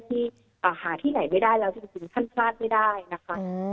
ที่หาที่ไหนไม่ได้แล้วจริงท่านพลาดไม่ได้นะคะ